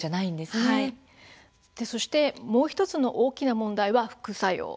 そして、もう１つの大きな問題は副作用。